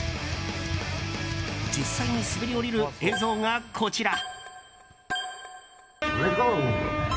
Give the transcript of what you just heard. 実際に滑り降りる映像がこちら。